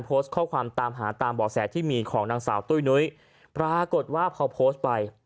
โพสต์ข้อความตามหาตามบ่อแสที่มีของนางสาวตุ้ยนุ้ยปรากฏว่าพอโพสต์ไป